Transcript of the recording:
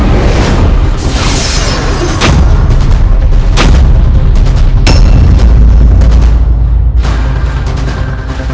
rai jangan berlalu